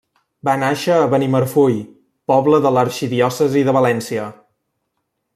Va nàixer a Benimarfull, poble de l'arxidiòcesi de València.